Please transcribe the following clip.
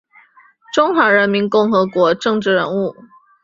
中华人民共和国政治人物。